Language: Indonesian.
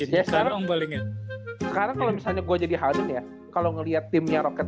cincin sekarang balingnya kalau misalnya gua jadi halnya kalau ngelihat timnya roket